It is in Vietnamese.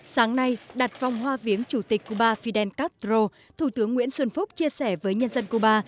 sáng nay đặt vòng hoa viếng chủ tịch cuba fidel castro thủ tướng nguyễn xuân phúc chia sẻ với nhân dân cuba